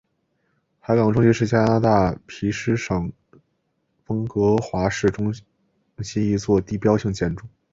海港中心是加拿大卑诗省温哥华市中心一座地标性建筑。